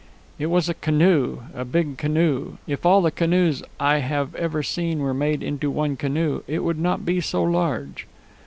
"It was a canoe, a big canoe. If all the canoes I have ever seen were made into one canoe, it would not be so large."